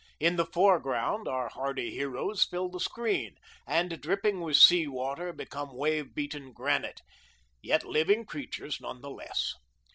In the foreground our hardy heroes fill the screen, and dripping with sea water become wave beaten granite, yet living creatures none the less.